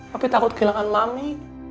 papi takut kehilangan mami